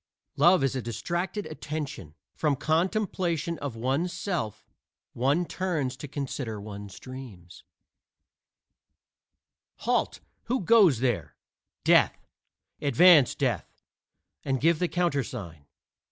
Love is a distracted attention: from contemplation of one's self one turns to consider one's dream. "Halt! who goes there?" "Death." "Advance, Death, and give the countersign."